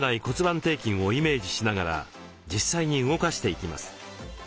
骨盤底筋をイメージしながら実際に動かしていきます。